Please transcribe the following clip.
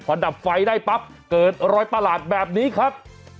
พอดับไฟได้ปั๊บเกิดรอยประหลาดแบบนี้ครับ